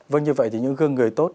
vâng như vậy thì những hương người tốt